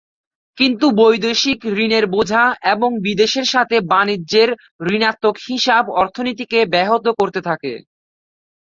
কিন্তু বৈদেশিক ঋণের বোঝা এবং বিদেশের সাথে বাণিজ্যের ঋণাত্মক হিসাব অর্থনীতিকে ব্যাহত করতে থাকে।